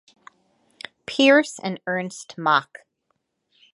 Peirce and Ernst Mach.